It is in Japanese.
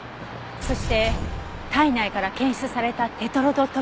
そして体内から検出されたテトロドトキシン。